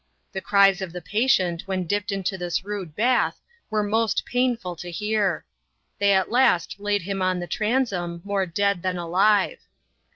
The cries of the patient, when dipped into this rude ba^ were most painful to hear. They at last laid him on the tran som, more dead than alive.